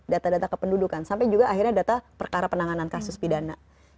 data data kependudukan sampai juga akhirnya data perkara penanganan kasus pidana